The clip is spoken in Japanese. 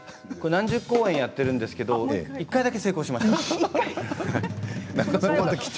何十公演とあるんですけれども１回成功しました。